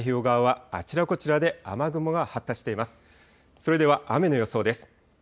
それでは雨の予想です。